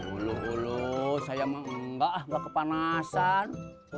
ulu ulu saya nggak mau kepanasan